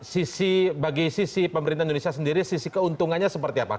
sisi bagi sisi pemerintah indonesia sendiri sisi keuntungannya seperti apa